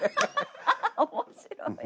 面白い。